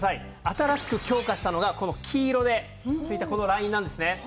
新しく強化したのが黄色で付いたこのラインなんですね。